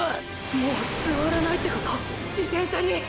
もう座らないってこと⁉自転車に⁉